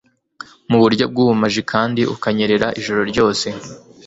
mu buryo bw'ubumaji kandi ukanyerera ijoro ryose